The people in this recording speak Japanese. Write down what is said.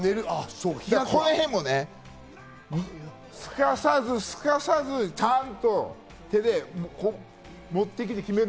このへんもね、すかさず、すかさず、ちゃんと手で持ってきて決める。